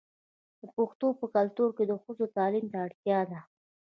د پښتنو په کلتور کې د ښځو تعلیم ته اړتیا ده.